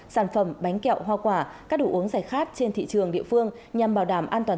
sản phẩm bánh kẹo hoa quả các đồ uống giải khát trên thị trường địa phương nhằm bảo đảm an toàn